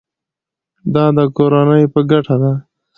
دا د کورنۍ په ګټه ده.